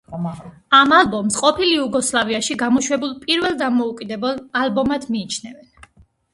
ამ ალბომს ყოფილ იუგოსლავიაში გამოშვებულ პირველ დამოუკიდებელ ალბომად მიიჩნევენ.